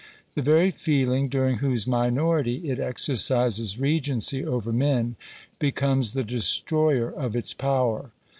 The very feeling, during whose minority it exercises regency over men, becomes the destroyer of its power.